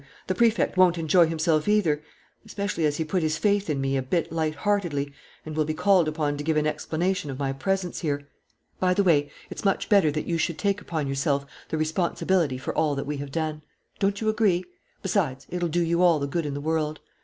The Prefect won't enjoy himself, either, ... especially as he put his faith in me a bit light heartedly and will be called upon to give an explanation of my presence here. By the way, it's much better that you should take upon yourself the responsibility for all that we have done. Don't you agree? Besides, it'll do you all the good in the world.